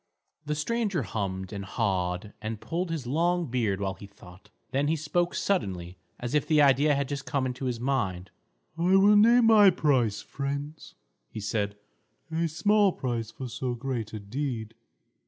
The stranger hummed and hawed and pulled his long beard while he thought. Then he spoke suddenly, as if the idea had just come into his mind. "I will name my price, friends," he said; "a small price for so great a deed.